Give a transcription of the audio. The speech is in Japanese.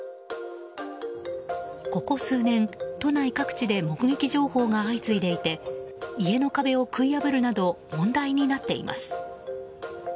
ここ数年、都内各地で目撃情報が相次いでいて家の壁を食い破るなど問題になっています。